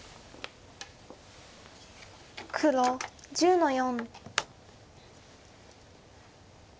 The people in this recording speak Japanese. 黒１０の四。